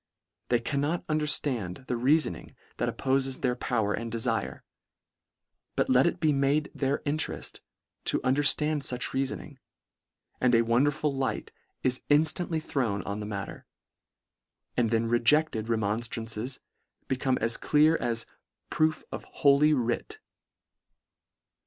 They cannot understand the reafoning that oppofes their power and defire : but let it be made their intereSt to understand fuch reafoning — and a wonderful light is inStantly thrown on the matter ; and then rejected remonStran ces become as clear as " proof of holy writ."